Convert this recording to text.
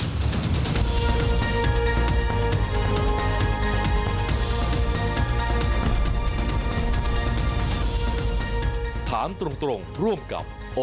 ดีที่สุดคือการให้ไม่สิ้นสุดสิงค์คอร์ปอเรชเช่น